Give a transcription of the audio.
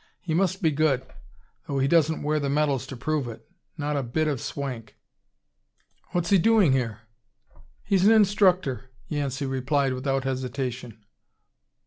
He must be good though he doesn't wear the medals to prove it. Not a bit of swank." "What's he doing here?" "He's an instructor," Yancey replied without hesitation.